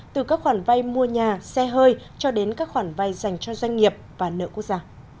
từ các khoản vay mua nhà xe hơi cho đến các khoản vay dành cho doanh nghiệp và nợ quốc gia